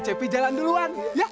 cepi jalan duluan